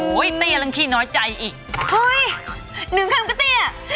กินล้อใจอีก